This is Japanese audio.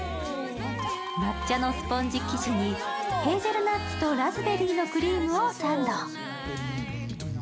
抹茶のスポンジ生地にヘーゼルナッツとラズベリーのクリームをサンド。